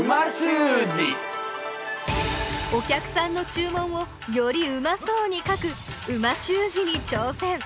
お客さんの注文をよりうまそうに書く美味しゅう字に挑戦！